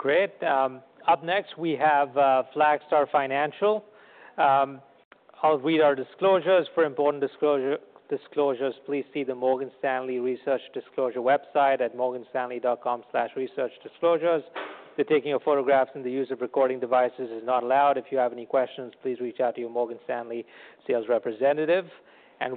Great. Up next we have Flagstar Financial. I'll read our disclosures. For important disclosures, please see the Morgan Stanley Research Disclosure website at morganstanley.com/researchdisclosures. The taking of photographs and the use of recording devices is not allowed. If you have any questions, please reach out to your Morgan Stanley sales representative.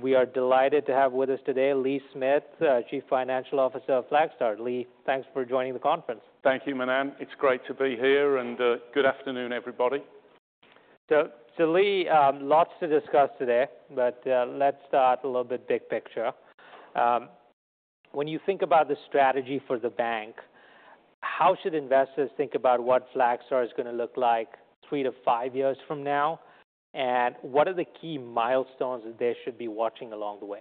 We are delighted to have with us today Lee Smith, Chief Financial Officer of Flagstar. Lee, thanks for joining the conference. Thank you, Manan. It's great to be here, and good afternoon, everybody. Lee, lots to discuss today, but let's start a little bit big picture. When you think about the strategy for the bank, how should investors think about what Flagstar is gonna look like three to five years from now? What are the key milestones that they should be watching along the way?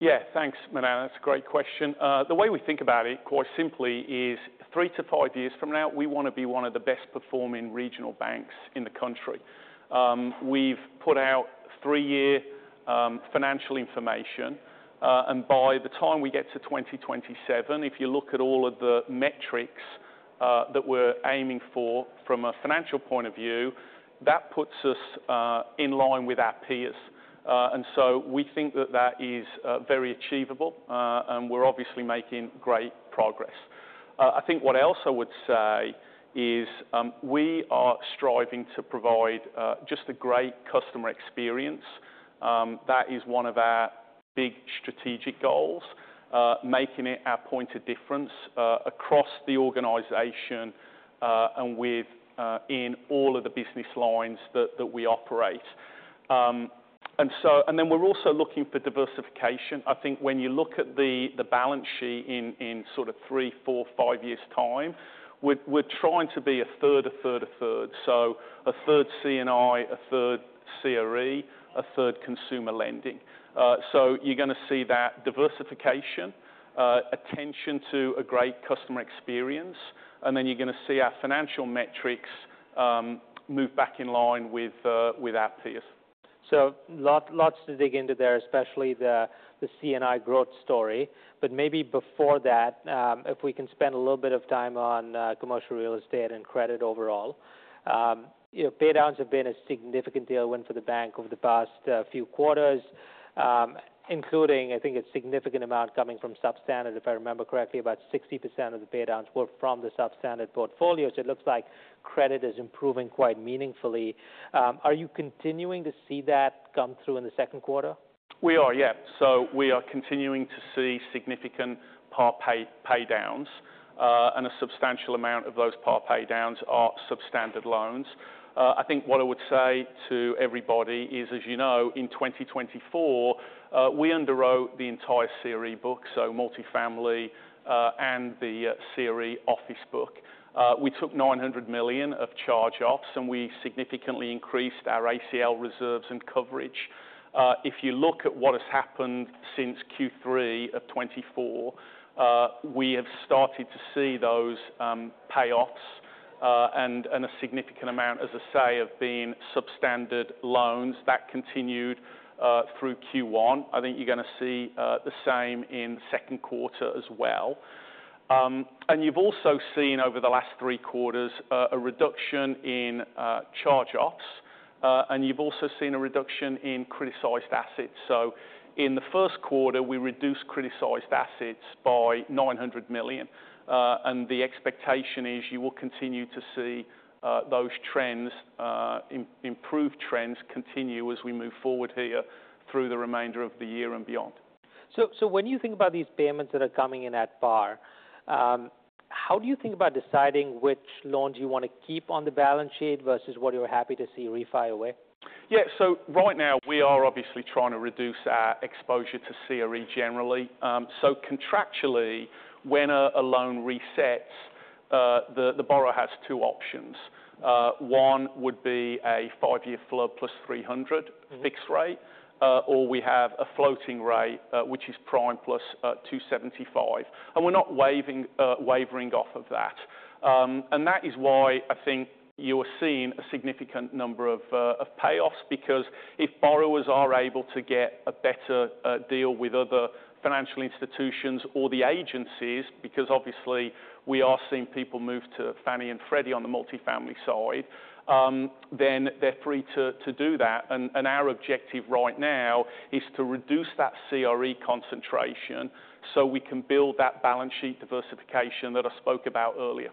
Yeah, thanks, Manan. That's a great question. The way we think about it, quite simply, is three to five years from now, we wanna be one of the best-performing regional banks in the country. We've put out three-year financial information, and by the time we get to 2027, if you look at all of the metrics that we're aiming for from a financial point of view, that puts us in line with our peers. We think that that is very achievable, and we're obviously making great progress. I think what else I would say is, we are striving to provide just a great customer experience. That is one of our big strategic goals, making it our point of difference across the organization and in all of the business lines that we operate. We are also looking for diversification. I think when you look at the balance sheet in sort of three, four, five years' time, we're trying to be a third, a third, a third. So a third CNI, a third CRE, a third Consumer Lending. So you're gonna see that diversification, attention to a great customer experience, and then you're gonna see our financial metrics move back in line with our peers. Lots to dig into there, especially the, the CNI growth story. Maybe before that, if we can spend a little bit of time on commercial real estate and credit overall. You know, paydowns have been a significant deal of win for the bank over the past few quarters, including, I think, a significant amount coming from substandard. If I remember correctly, about 60% of the paydowns were from the substandard portfolio. It looks like credit is improving quite meaningfully. Are you continuing to see that come through in the second quarter? We are, yeah. We are continuing to see significant par pay paydowns, and a substantial amount of those par paydowns are substandard loans. I think what I would say to everybody is, as you know, in 2024, we underwrote the entire CRE book, so multifamily, and the CRE office book. We took $900 million of charge-offs, and we significantly increased our ACL reserves and coverage. If you look at what has happened since Q3 of 2024, we have started to see those payoffs, and a significant amount, as I say, of being substandard loans that continued through Q1. I think you're gonna see the same in second quarter as well. You have also seen over the last three quarters a reduction in charge-offs, and you have also seen a reduction in criticized assets. In the first quarter, we reduced criticized assets by $900 million. and the expectation is you will continue to see those improved trends continue as we move forward here through the remainder of the year and beyond. When you think about these payments that are coming in at par, how do you think about deciding which loans you wanna keep on the balance sheet versus what you're happy to see refi away? Yeah, right now, we are obviously trying to reduce our exposure to CRE generally. Contractually, when a loan resets, the borrower has two options. One would be a five-year float plus 300 fixed rate, or we have a floating rate, which is prime plus 275. We are not wavering off of that. That is why I think you are seeing a significant number of payoffs because if borrowers are able to get a better deal with other financial institutions or the agencies, because obviously we are seeing people move to Fannie and Freddie on the multifamily side, they are free to do that. Our objective right now is to reduce that CRE concentration so we can build that balance sheet diversification that I spoke about earlier.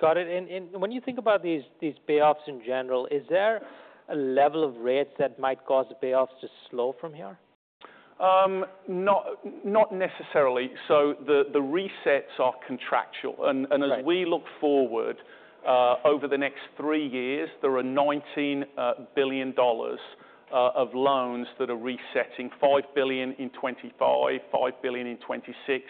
Got it. And when you think about these, these payoffs in general, is there a level of rates that might cause payoffs to slow from here? Not necessarily. The resets are contractual, and as we look forward, over the next three years, there are $19 billion of loans that are resetting: $5 billion in 2025, $5 billion in 2026,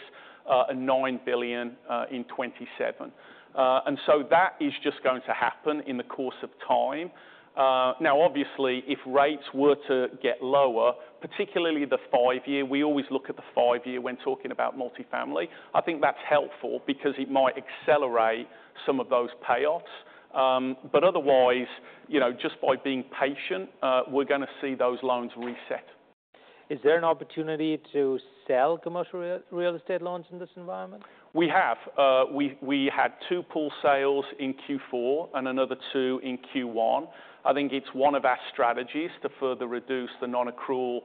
and $9 billion in 2027. That is just going to happen in the course of time. Now, obviously, if rates were to get lower, particularly the five-year, we always look at the five-year when talking about multifamily. I think that's helpful because it might accelerate some of those payoffs. Otherwise, you know, just by being patient, we're gonna see those loans reset. Is there an opportunity to sell commercial real estate loans in this environment? We have. We had two pool sales in Q4 and another two in Q1. I think it's one of our strategies to further reduce the non-accrual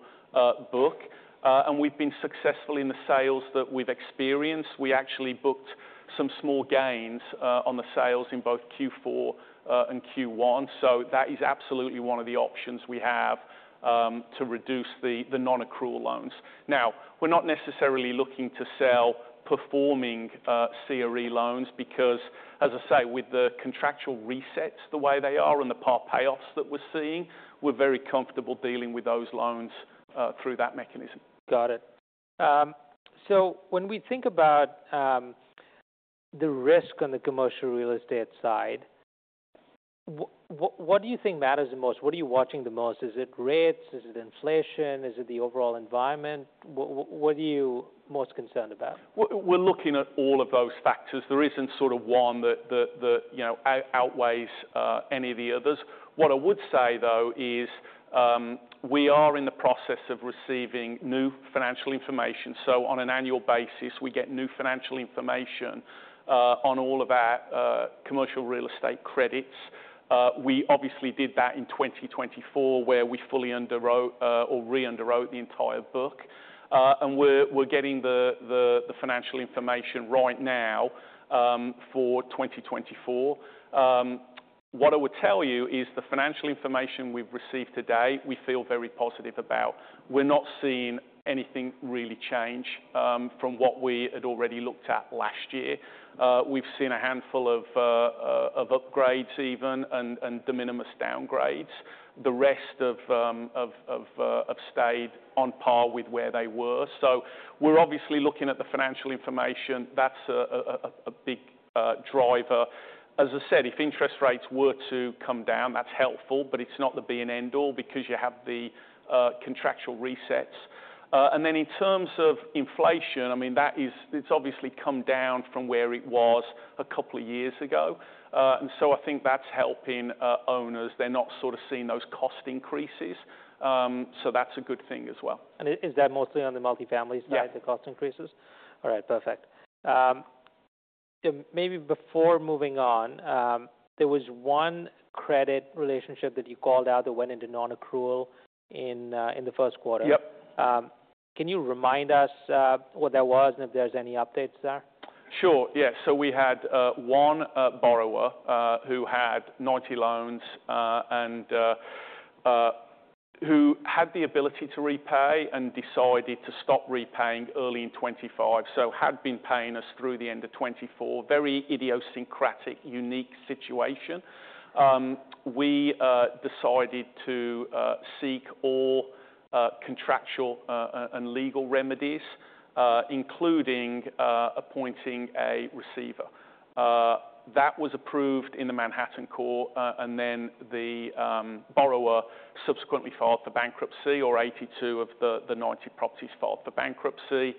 book, and we've been successful in the sales that we've experienced. We actually booked some small gains on the sales in both Q4 and Q1. That is absolutely one of the options we have to reduce the non-accrual loans. Now, we're not necessarily looking to sell performing CRE loans because, as I say, with the contractual resets the way they are and the par payoffs that we're seeing, we're very comfortable dealing with those loans through that mechanism. Got it. When we think about the risk on the commercial real estate side, what do you think matters the most? What are you watching the most? Is it rates? Is it inflation? Is it the overall environment? What are you most concerned about? We're looking at all of those factors. There isn't sort of one that, you know, outweighs any of the others. What I would say, though, is we are in the process of receiving new financial information. On an annual basis, we get new financial information on all of our commercial real estate credits. We obviously did that in 2024 where we fully underwrote, or re-underwrote, the entire book. We're getting the financial information right now for 2024. What I would tell you is the financial information we've received to date, we feel very positive about. We're not seeing anything really change from what we had already looked at last year. We've seen a handful of upgrades even and de minimis downgrades. The rest have stayed on par with where they were. We're obviously looking at the financial information. That's a big driver. As I said, if interest rates were to come down, that's helpful, but it's not the be-all and end-all because you have the contractual resets. And then in terms of inflation, I mean, that is, it's obviously come down from where it was a couple of years ago. And so I think that's helping owners. They're not sort of seeing those cost increases, so that's a good thing as well. Is that mostly on the multifamily side, the cost increases? Yeah. All right. Perfect. And maybe before moving on, there was one credit relationship that you called out that went into non-accrual in the first quarter. Yep. Can you remind us what that was and if there's any updates there? Sure. Yeah. We had one borrower who had 90% loans and who had the ability to repay and decided to stop repaying early in 2025. Had been paying us through the end of 2024. Very idiosyncratic, unique situation. We decided to seek all contractual and legal remedies, including appointing a receiver. That was approved in the Manhattan Court, and then the borrower subsequently filed for bankruptcy, or 82% of the 90% properties filed for bankruptcy.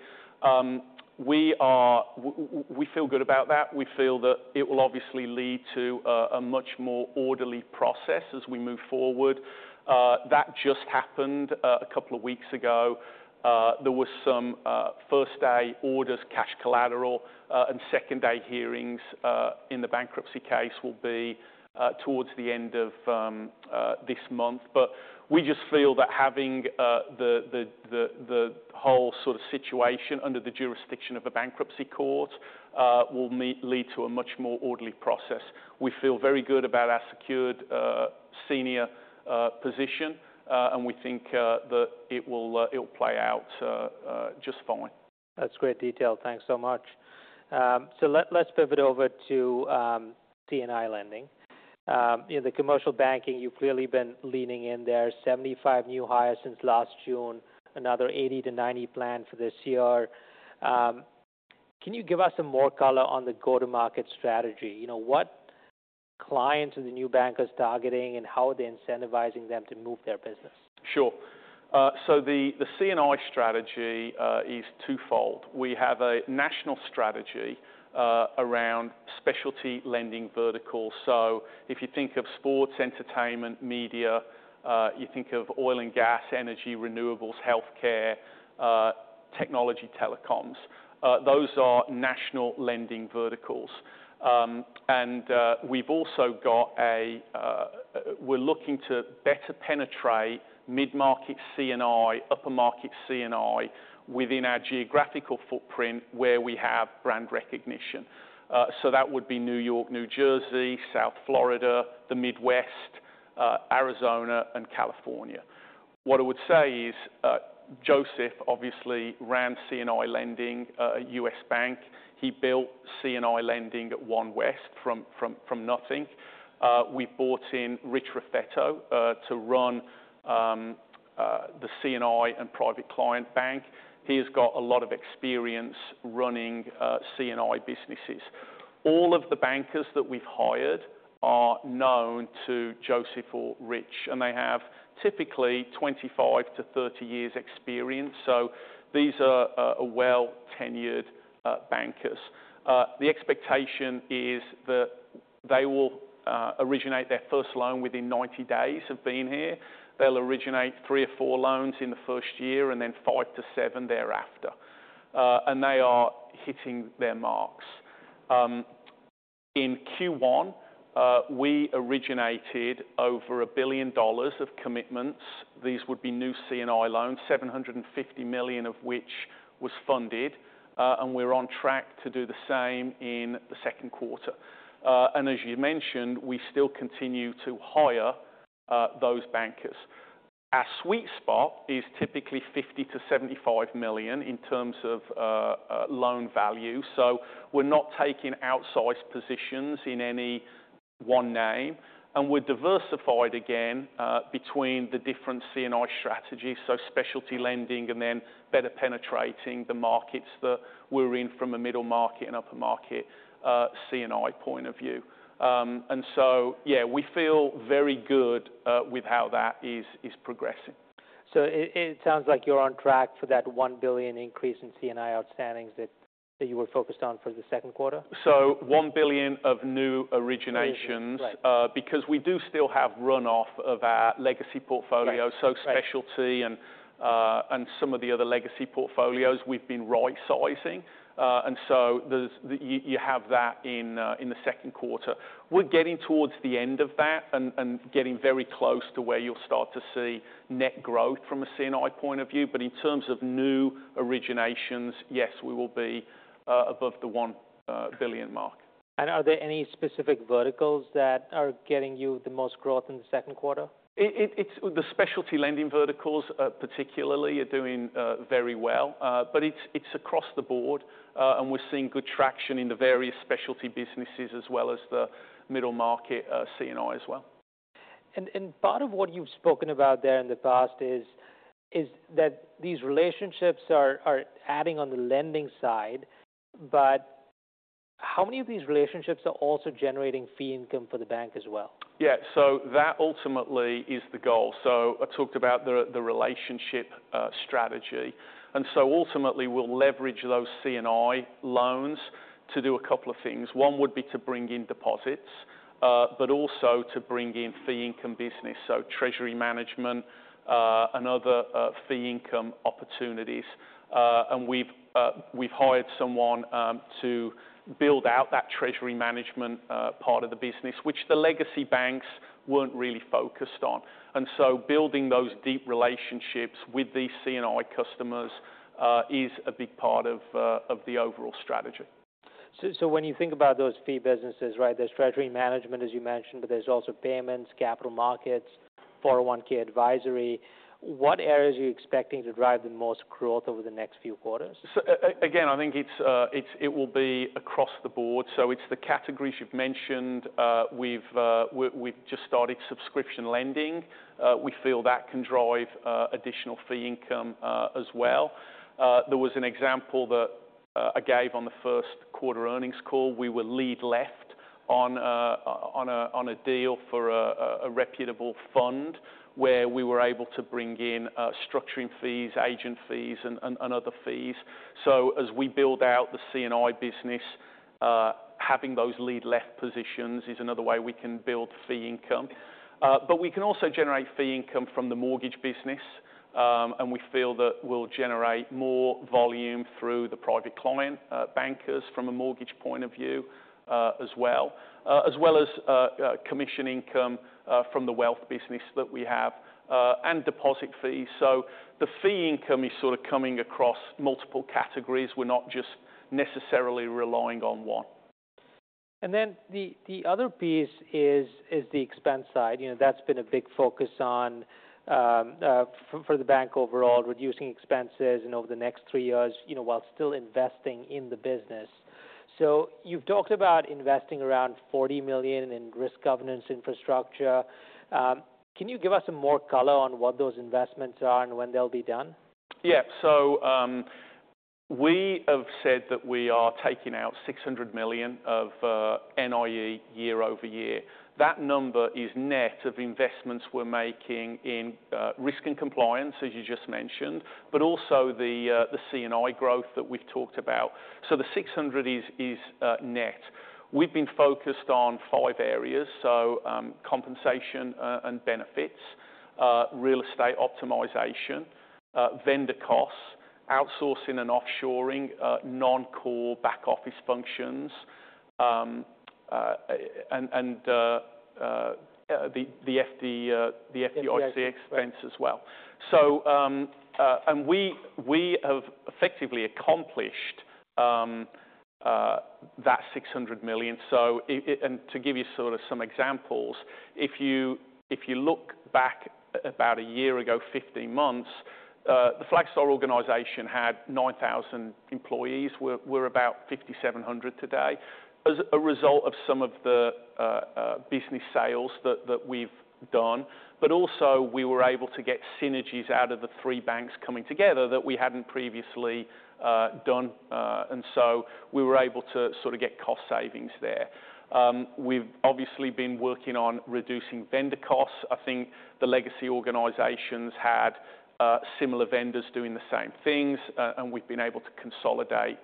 We feel good about that. We feel that it will obviously lead to a much more orderly process as we move forward. That just happened a couple of weeks ago. There were some first-day orders, cash collateral, and second-day hearings in the bankruptcy case will be towards the end of this month. We just feel that having the whole sort of situation under the jurisdiction of a bankruptcy court will lead to a much more orderly process. We feel very good about our secured, senior position, and we think that it will, it'll play out just fine. That's great detail. Thanks so much. Let's pivot over to CNI lending. You know, the commercial banking, you've clearly been leaning in there. Seventy-five new hires since last June, another 80-90% planned for this year. Can you give us some more color on the go-to-market strategy? You know, what clients are the new bankers targeting and how are they incentivizing them to move their business? Sure. The CNI strategy is twofold. We have a national strategy around specialty lending verticals. If you think of sports, entertainment, media, oil and gas, energy, renewables, healthcare, technology, telecoms, those are national lending verticals. We have also got a, we are looking to better penetrate mid-market CNI, upper-market CNI within our geographical footprint where we have brand recognition. That would be New York, New Jersey, South Florida, the Midwest, Arizona, and California. What I would say is, Joseph obviously ran CNI lending at U.S. Bank. He built CNI lending at OneWest Bank from nothing. We brought in Rich Raffetto to run the CNI and private client bank. He has got a lot of experience running CNI businesses. All of the bankers that we have hired are known to Joseph or Rich, and they have typically 25-30 years' experience. These are, well-tenured, bankers. The expectation is that they will originate their first loan within 90 days of being here. They'll originate three or four loans in the first year and then five to seven thereafter. They are hitting their marks. In Q1, we originated over $1 billion of commitments. These would be new CNI loans, $750 million of which was funded. We're on track to do the same in the second quarter. As you mentioned, we still continue to hire those bankers. Our sweet spot is typically $50 million-$75 million in terms of loan value. We're not taking outsized positions in any one name. We're diversified again, between the different CNI strategies, so specialty lending and then better penetrating the markets that we're in from a middle market and upper-market CNI point of view. Yeah, we feel very good with how that is progressing. It sounds like you're on track for that $1 billion increase in CNI outstandings that you were focused on for the second quarter. $1 billion of new originations. New originations. because we do still have runoff of our legacy portfolio. Legacy. Specialty and some of the other legacy portfolios we've been right-sizing. There's the, you have that in the second quarter. We're getting towards the end of that and getting very close to where you'll start to see net growth from a CNI point of view. In terms of new originations, yes, we will be above the billion mark. Are there any specific verticals that are getting you the most growth in the second quarter? It's the specialty lending verticals, particularly, are doing very well. It's across the board, and we're seeing good traction in the various specialty businesses as well as the middle market, CNI as well. Part of what you've spoken about there in the past is that these relationships are adding on the lending side, but how many of these relationships are also generating fee income for the bank as well? Yeah. That ultimately is the goal. I talked about the relationship strategy. Ultimately, we'll leverage those CNI loans to do a couple of things. One would be to bring in deposits, but also to bring in fee income business, treasury management, and other fee income opportunities. We've hired someone to build out that treasury management part of the business, which the legacy banks were not really focused on. Building those deep relationships with these CNI customers is a big part of the overall strategy. When you think about those fee businesses, right, there's treasury management, as you mentioned, but there's also payments, capital markets, 401(k) advisory. What areas are you expecting to drive the most growth over the next few quarters? Again, I think it will be across the board. It's the categories you've mentioned. We've just started subscription lending. We feel that can drive additional fee income as well. There was an example that I gave on the first quarter earnings call. We were lead left on a deal for a reputable fund where we were able to bring in structuring fees, agent fees, and other fees. As we build out the CNI business, having those lead left positions is another way we can build fee income. We can also generate fee income from the mortgage business. We feel that we'll generate more volume through the private client bankers from a mortgage point of view, as well as commission income from the wealth business that we have, and deposit fees. The fee income is sort of coming across multiple categories. We're not just necessarily relying on one. The other piece is the expense side. You know, that's been a big focus for the bank overall, reducing expenses and over the next three years, you know, while still investing in the business. You've talked about investing around $40 million in risk governance infrastructure. Can you give us some more color on what those investments are and when they'll be done? Yeah. So, we have said that we are taking out $600 million of NIE year over year. That number is net of investments we're making in risk and compliance, as you just mentioned, but also the CNI growth that we've talked about. So the $600 million is net. We've been focused on five areas: compensation and benefits, real estate optimization, vendor costs, outsourcing and offshoring, non-core back office functions, and the FDIC expense as well. We have effectively accomplished that $600 million. To give you some examples, if you look back about a year ago, 15 months, the Flagstar organization had 9,000 employees. We're about 5,700 today as a result of some of the business sales that we've done. We were also able to get synergies out of the three banks coming together that we had not previously done, and so we were able to sort of get cost savings there. We have obviously been working on reducing vendor costs. I think the legacy organizations had similar vendors doing the same things, and we have been able to consolidate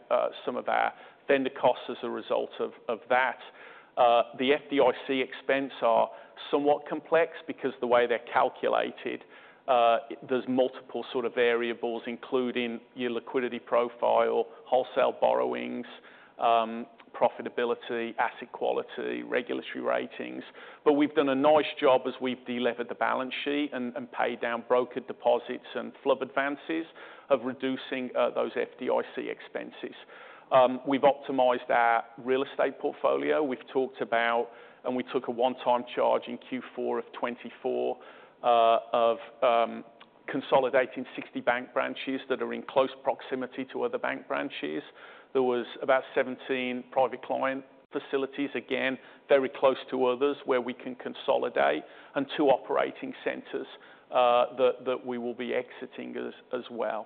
some of our vendor costs as a result of that. The FDIC expenses are somewhat complex because the way they are calculated, there are multiple sort of variables including your liquidity profile, wholesale borrowings, profitability, asset quality, regulatory ratings. We have done a nice job as we have delivered the balance sheet and paid down broker deposits and FHLB advances of reducing those FDIC expenses. We have optimized our real estate portfolio. We've talked about, and we took a one-time charge in Q4 of 2024, of consolidating 60 bank branches that are in close proximity to other bank branches. There was about 17 private client facilities, again, very close to others where we can consolidate, and two operating centers that we will be exiting as well.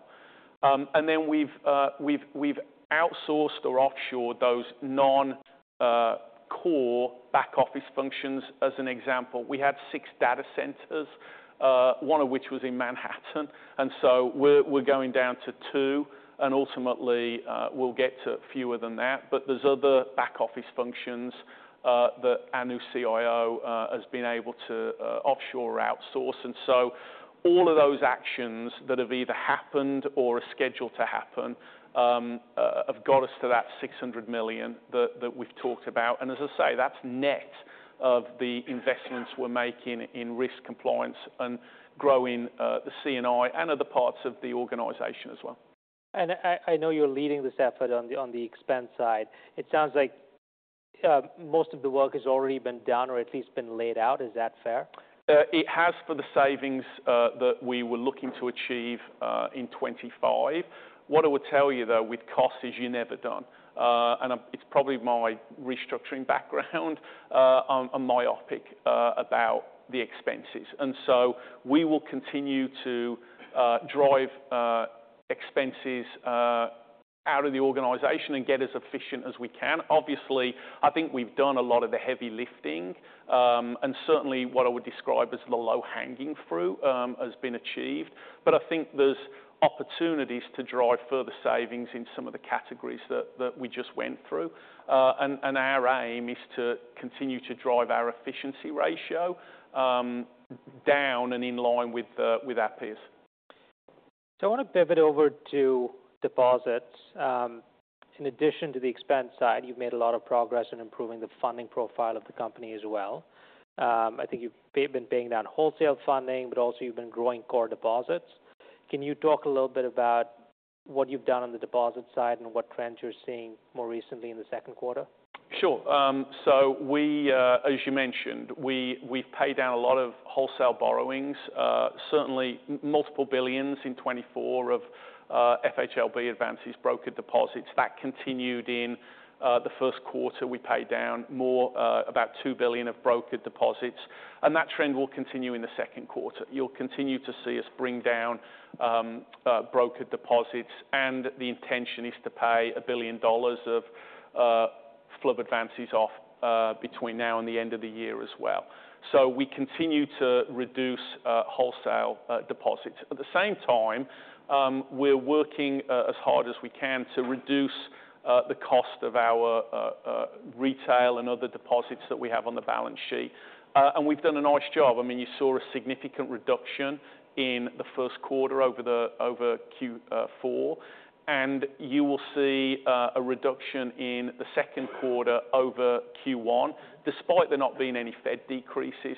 We've outsourced or offshored those non-core back office functions. As an example, we had six data centers, one of which was in Manhattan. We're going down to two, and ultimately, we'll get to fewer than that. There are other back office functions that Anu, CIO, has been able to offshore or outsource. All of those actions that have either happened or are scheduled to happen have got us to that $600 million that we've talked about. That is net of the investments we are making in risk compliance and growing, the CNI and other parts of the organization as well. I know you're leading this effort on the expense side. It sounds like most of the work has already been done or at least been laid out. Is that fair? It has for the savings that we were looking to achieve in 2025. What I would tell you though, with costs is you're never done. It's probably my restructuring background and my optic about the expenses. We will continue to drive expenses out of the organization and get as efficient as we can. Obviously, I think we've done a lot of the heavy lifting, and certainly what I would describe as the low hanging fruit has been achieved. I think there's opportunities to drive further savings in some of the categories that we just went through. Our aim is to continue to drive our efficiency ratio down and in line with our peers. I wanna pivot over to deposits. In addition to the expense side, you've made a lot of progress in improving the funding profile of the company as well. I think you've been paying down wholesale funding, but also you've been growing core deposits. Can you talk a little bit about what you've done on the deposit side and what trends you're seeing more recently in the second quarter? Sure. As you mentioned, we've paid down a lot of wholesale borrowings, certainly multiple billions in 2024 of FHLB advances, broker deposits. That continued in the first quarter. We paid down more, about $2 billion of broker deposits. That trend will continue in the second quarter. You'll continue to see us bring down broker deposits. The intention is to pay $1 billion of FHLB advances off between now and the end of the year as well. We continue to reduce wholesale deposits. At the same time, we're working as hard as we can to reduce the cost of our retail and other deposits that we have on the balance sheet. We've done a nice job. I mean, you saw a significant reduction in the first quarter over Q4. You will see a reduction in the second quarter over Q1, despite there not being any Fed decreases.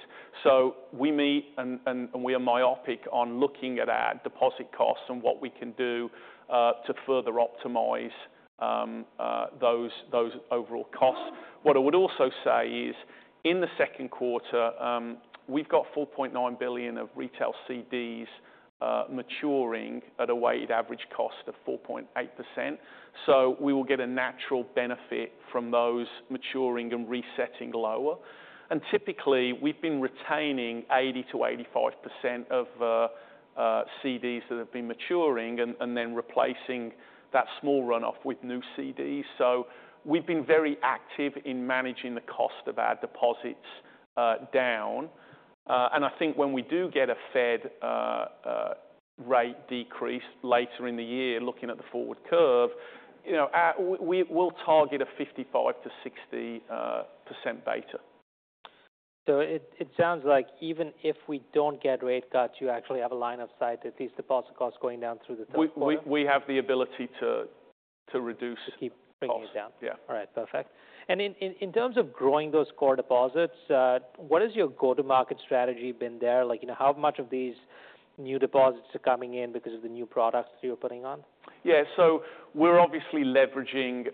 We meet and we are myopic on looking at our deposit costs and what we can do to further optimize those overall costs. What I would also say is in the second quarter, we have $4.9 billion of retail CDs maturing at a weighted average cost of 4.8%. We will get a natural benefit from those maturing and resetting lower. Typically, we have been retaining 80-85% of CDs that have been maturing and then replacing that small runoff with new CDs. We have been very active in managing the cost of our deposits down. I think when we do get a Fed rate decrease later in the year, looking at the forward curve, you know, we'll target a 55-60% beta. It sounds like even if we don't get rate cuts, you actually have a line of sight, at least deposit costs going down through the third quarter. We have the ability to reduce. To keep bringing it down. Costs. Yeah. All right. Perfect. In terms of growing those core deposits, what has your go-to-market strategy been there? Like, you know, how much of these new deposits are coming in because of the new products that you're putting on? Yeah. We're obviously leveraging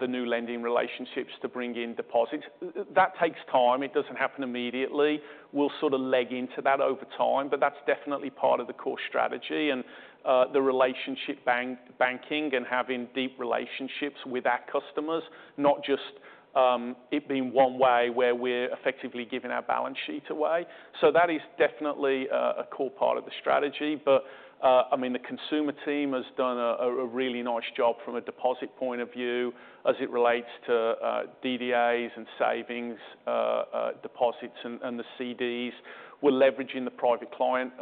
the new lending relationships to bring in deposits. That takes time. It doesn't happen immediately. We'll sort of leg into that over time, but that's definitely part of the core strategy, and the relationship banking and having deep relationships with our customers, not just it being one way where we're effectively giving our balance sheet away. That is definitely a core part of the strategy. I mean, the consumer team has done a really nice job from a deposit point of view as it relates to DDAs and savings deposits and the CDs. We're leveraging the private client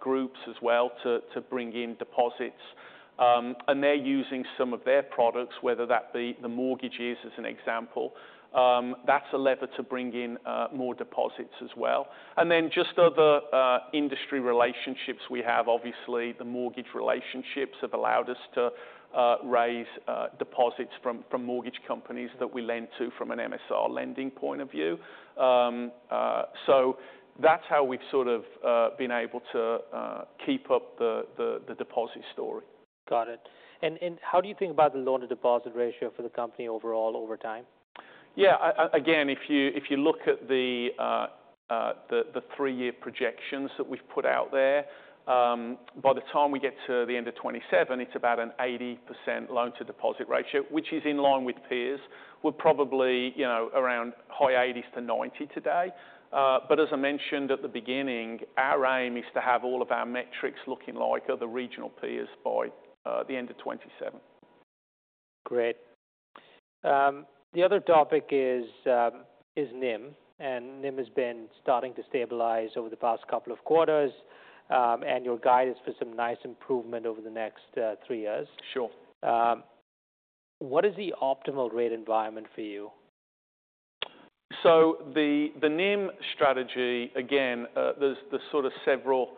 groups as well to bring in deposits, and they're using some of their products, whether that be the mortgages as an example. That's a lever to bring in more deposits as well. Then just other industry relationships we have. Obviously, the mortgage relationships have allowed us to raise deposits from mortgage companies that we lend to from an MSR lending point of view. That's how we've sort of been able to keep up the deposit story. Got it. And how do you think about the loan-to-deposit ratio for the company overall over time? Yeah. Again, if you look at the three-year projections that we've put out there, by the time we get to the end of 2027, it's about an 80% loan-to-deposit ratio, which is in line with peers. We're probably, you know, around high 80% to 90% today. As I mentioned at the beginning, our aim is to have all of our metrics looking like other regional peers by the end of 2027. Great. The other topic is NIM, and NIM has been starting to stabilize over the past couple of quarters. Your guide is for some nice improvement over the next three years. Sure. What is the optimal rate environment for you? The NIM strategy, again, there's sort of several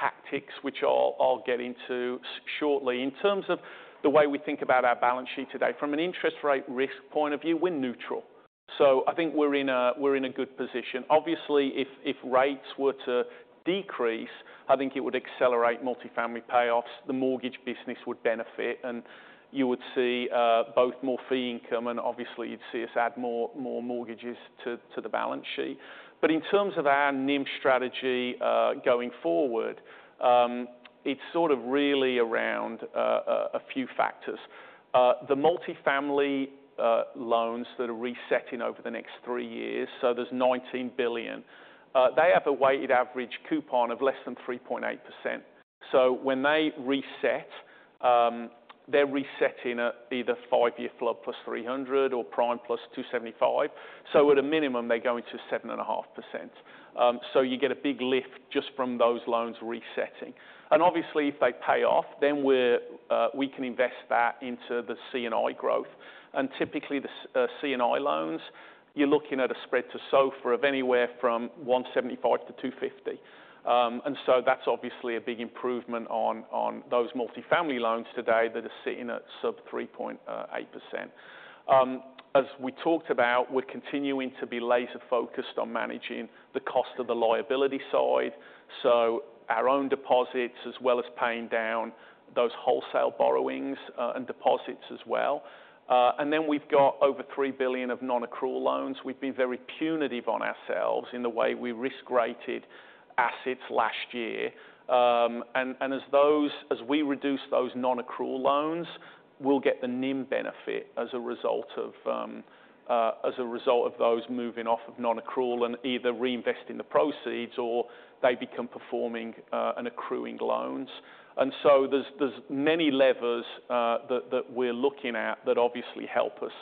tactics which I'll get into shortly. In terms of the way we think about our balance sheet today, from an interest rate risk point of view, we're neutral. I think we're in a good position. Obviously, if rates were to decrease, I think it would accelerate multifamily payoffs. The mortgage business would benefit, and you would see both more fee income, and obviously you'd see us add more mortgages to the balance sheet. In terms of our NIM strategy going forward, it's sort of really around a few factors. The multifamily loans that are resetting over the next three years, so there's $19 billion, they have a weighted average coupon of less than 3.8%. When they reset, they're resetting at either five-year flub plus 300 or prime plus 275. At a minimum, they're going to 7.5%. You get a big lift just from those loans resetting. Obviously, if they pay off, then we can invest that into the CNI growth. Typically, the CNI loans, you're looking at a spread to SOFR of anywhere from 175-250 basis points. That's obviously a big improvement on those multifamily loans today that are sitting at sub 3.8%. As we talked about, we're continuing to be laser-focused on managing the cost of the liability side. Our own deposits, as well as paying down those wholesale borrowings, and deposits as well. We've got over $3 billion of non-accrual loans. We've been very punitive on ourselves in the way we risk-rated assets last year. As we reduce those non-accrual loans, we'll get the NIM benefit as a result of those moving off of non-accrual and either reinvesting the proceeds or they become performing and accruing loans. There are many levers that we're looking at that obviously help us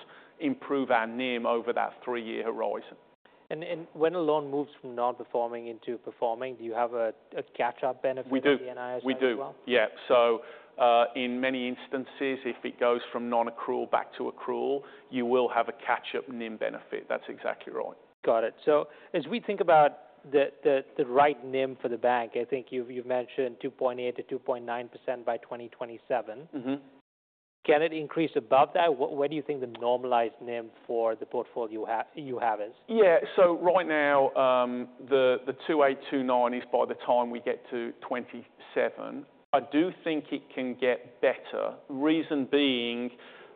improve our NIM over that three-year horizon. When a loan moves from non-performing into performing, do you have a catch-up benefit for the NIS as well? We do. Yeah. In many instances, if it goes from non-accrual back to accrual, you will have a catch-up NIM benefit. That's exactly right. Got it. As we think about the right NIM for the bank, I think you've mentioned 2.8-2.9% by 2027. Mm-hmm. Can it increase above that? What do you think the normalized NIM for the portfolio you have is? Yeah. Right now, the 28-29 is by the time we get to 2027. I do think it can get better. Reason being,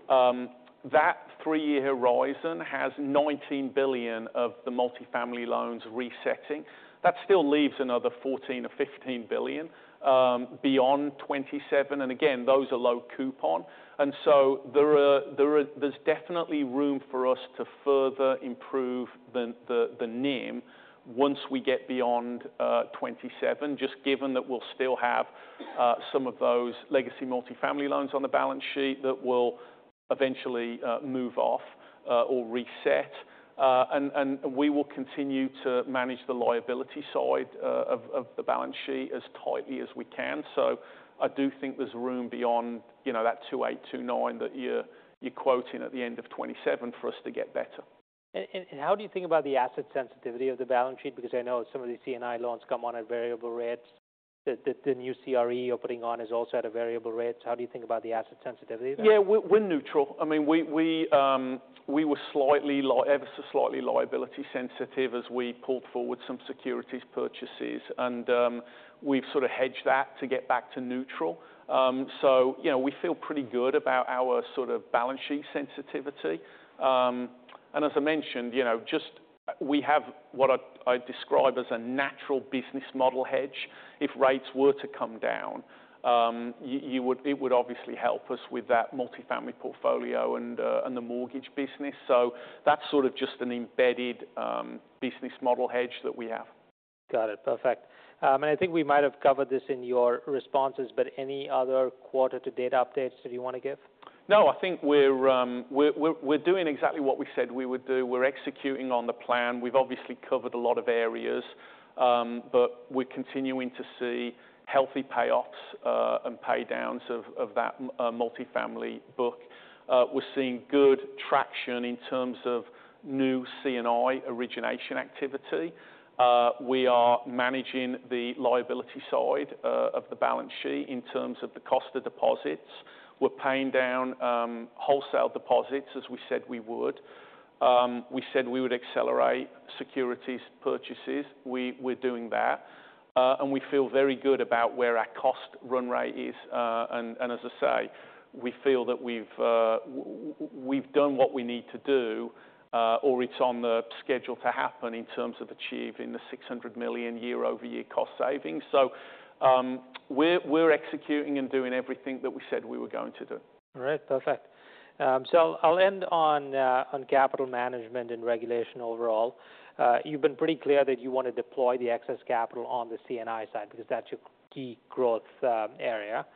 that three-year horizon has $19 billion of the multifamily loans resetting. That still leaves another $14 billion or $15 billion beyond 2027. Again, those are low coupon. There is definitely room for us to further improve the NIM once we get beyond 2027, just given that we will still have some of those legacy multifamily loans on the balance sheet that will eventually move off or reset. We will continue to manage the liability side of the balance sheet as tightly as we can. I do think there is room beyond that 28-29 that you are quoting at the end of 2027 for us to get better. How do you think about the asset sensitivity of the balance sheet? Because I know some of these CNI loans come on at variable rates. The new CRE you are putting on is also at a variable rate. How do you think about the asset sensitivity there? Yeah. We're neutral. I mean, we were slightly, ever so slightly liability sensitive as we pulled forward some securities purchases. And we've sort of hedged that to get back to neutral. You know, we feel pretty good about our sort of balance sheet sensitivity. And as I mentioned, you know, just we have what I describe as a natural business model hedge. If rates were to come down, you would, it would obviously help us with that multifamily portfolio and the mortgage business. That's sort of just an embedded business model hedge that we have. Got it. Perfect. I think we might have covered this in your responses, but any other quarter-to-date updates that you wanna give? No, I think we're doing exactly what we said we would do. We're executing on the plan. We've obviously covered a lot of areas, but we're continuing to see healthy payoffs and paydowns of that multifamily book. We're seeing good traction in terms of new CNI origination activity. We are managing the liability side of the balance sheet in terms of the cost of deposits. We're paying down wholesale deposits as we said we would. We said we would accelerate securities purchases. We're doing that. We feel very good about where our cost run rate is, and as I say, we feel that we've done what we need to do, or it's on the schedule to happen in terms of achieving the $600 million year-over-year cost savings. We're executing and doing everything that we said we were going to do. All right. Perfect. I'll end on capital management and regulation overall. You've been pretty clear that you wanna deploy the excess capital on the CNI side because that's your key growth area.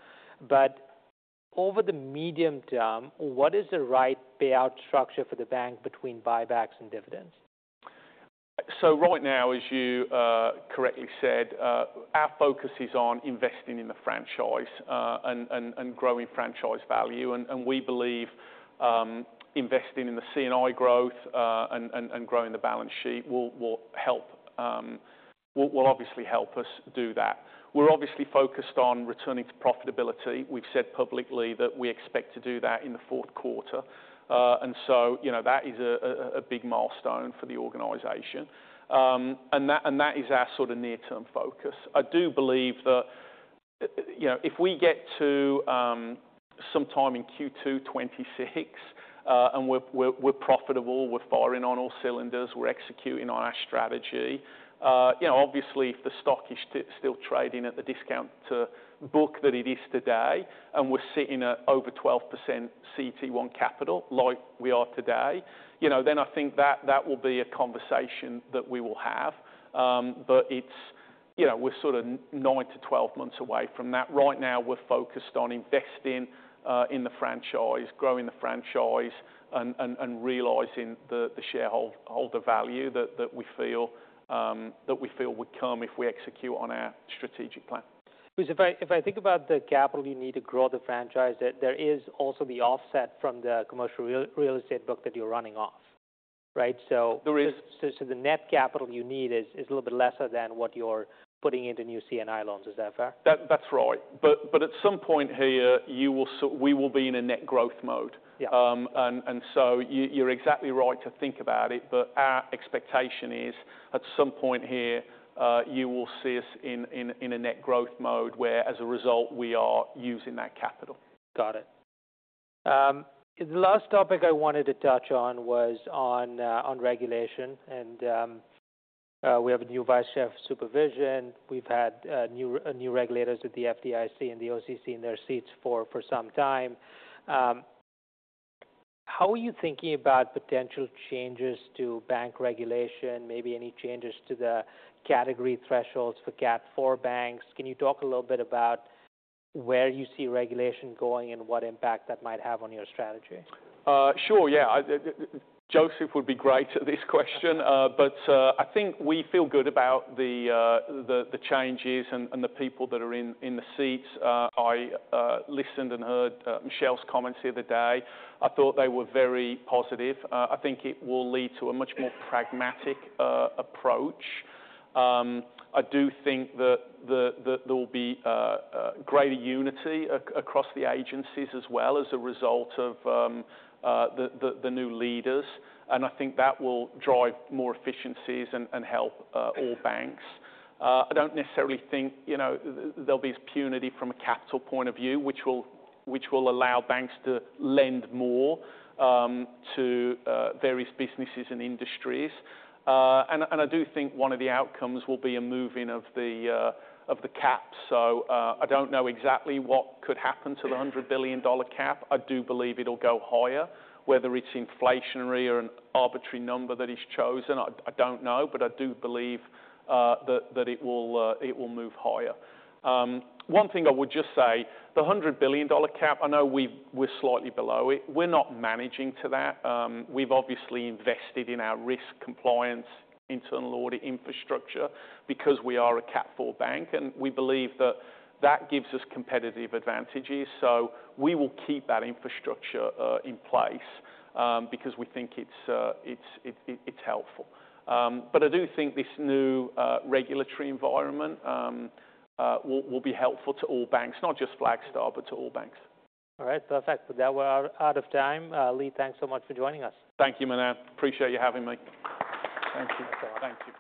Over the medium term, what is the right payout structure for the bank between buybacks and dividends? Right now, as you correctly said, our focus is on investing in the franchise and growing franchise value. We believe investing in the CNI growth and growing the balance sheet will obviously help us do that. We're obviously focused on returning to profitability. We've said publicly that we expect to do that in the fourth quarter, and so, you know, that is a big milestone for the organization, and that is our sort of near-term focus. I do believe that, you know, if we get to, sometime in Q2 2026, and we're profitable, we're firing on all cylinders, we're executing on our strategy, you know, obviously if the stock is still trading at the discount to book that it is today, and we're sitting at over 12% CT1 capital like we are today, you know, then I think that will be a conversation that we will have. It's, you know, we're sort of 9-12 months away from that. Right now, we're focused on investing in the franchise, growing the franchise, and realizing the shareholder value that we feel would come if we execute on our strategic plan. Because if I think about the capital you need to grow the franchise, there is also the offset from the commercial real estate book that you're running off, right? There is. So the net capital you need is, is a little bit lesser than what you're putting into new CNI loans. Is that fair? That's right. At some point here, you will, so we will be in a net growth mode. Yeah. And you, you're exactly right to think about it, but our expectation is at some point here, you will see us in a net growth mode where, as a result, we are using that capital. Got it. The last topic I wanted to touch on was on regulation. We have a new Vice-Chief of Supervision. We've had new regulators at the FDIC and the OCC in their seats for some time. How are you thinking about potential changes to bank regulation, maybe any changes to the category thresholds for CAT - 4 banks? Can you talk a little bit about where you see regulation going and what impact that might have on your strategy? Sure. Yeah. I, I, Joseph would be great at this question. I think we feel good about the changes and the people that are in the seats. I listened and heard Michelle's comments the other day. I thought they were very positive. I think it will lead to a much more pragmatic approach. I do think that there will be greater unity across the agencies as well as a result of the new leaders. I think that will drive more efficiencies and help all banks. I do not necessarily think there will be as punitive from a capital point of view, which will allow banks to lend more to various businesses and industries. I do think one of the outcomes will be a moving of the cap. I don't know exactly what could happen to the $100 billion cap. I do believe it'll go higher, whether it's inflationary or an arbitrary number that is chosen. I don't know, but I do believe that it will move higher. One thing I would just say, the $100 billion cap, I know we're slightly below it. We're not managing to that. We've obviously invested in our risk compliance internal audit infrastructure because we are a CAT4 bank, and we believe that gives us competitive advantages. We will keep that infrastructure in place because we think it's helpful. I do think this new regulatory environment will be helpful to all banks, not just Flagstar, but to all banks. All right. Perfect. But then we're out of time. Lee, thanks so much for joining us. Thank you, Manan. Appreciate you having me. Thank you. Thank you.